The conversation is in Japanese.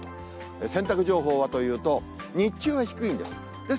洗濯情報はというと、日中は低いんです。